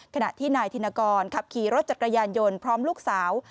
ขณะที่นายธินกรขับขี่รถจักรยานยนต์พร้อมลูกสาว